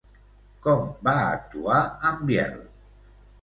Com va actuar en Biel?